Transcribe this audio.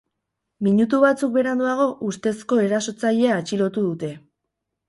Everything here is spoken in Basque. Minutu batzuk beranduago ustezko erasotzailea atxilotu dute.